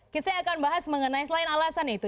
kita akan bahas mengenai selain alasan itu